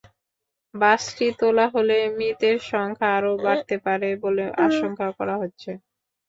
বাসটি তোলা হলে মৃতের সংখ্যা আরও বাড়তে পারে বলে আশঙ্কা করা হচ্ছে।